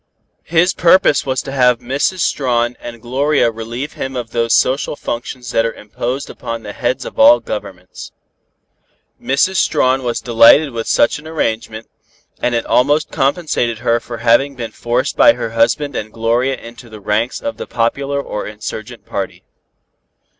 His purpose was to have Mrs. Strawn and Gloria relieve him of those social functions that are imposed upon the heads of all Governments. Mrs. Strawn was delighted with such an arrangement, and it almost compensated her for having been forced by her husband and Gloria into the ranks of the popular or insurgent party.